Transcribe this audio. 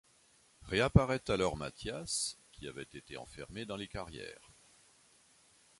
Réapparaît alors Mathias, qui avait été enfermé dans les carrières.